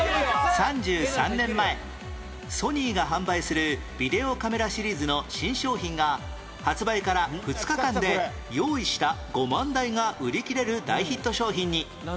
３３年前ソニーが販売するビデオカメラシリーズの新商品が発売から２日間で用意した５万台が売り切れる大ヒット商品に